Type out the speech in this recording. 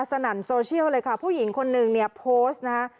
นั่นโซเชียลเลยค่ะผู้หญิงคนนึงเนี่ยโพสต์นะคะ